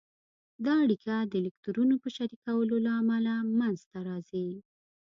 دا اړیکه د الکترونونو په شریکولو له امله منځته راځي.